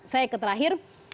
saya ke terakhir